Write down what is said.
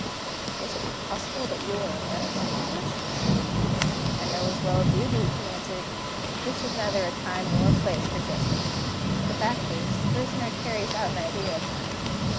"Is it possible that you are in earnest?" I asked. "I know as well as you do," he answered, "that this is neither a time nor a place for jesting. The fact is, the Prisoner carries out an idea of mine.